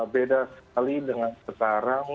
beda sekali dengan sekarang